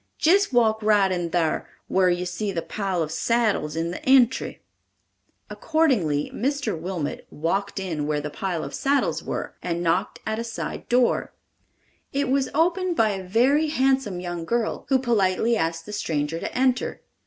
Jist walk right in thar, whar you see the pile of saddles in the entry." Accordingly, Mr. Wilmot "walked in where the pile of saddles were," and knocked at a side door. It was opened by a very handsome young girl, who politely asked the stranger to enter.